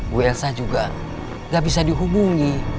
bu elsa juga gak bisa dihubungi